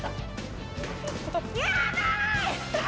やばい！